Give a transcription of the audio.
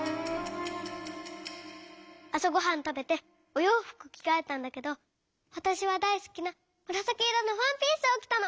あさごはんたべておようふくきがえたんだけどわたしはだいすきなむらさきいろのワンピースをきたの。